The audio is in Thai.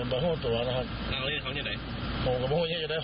เนื้อหรือ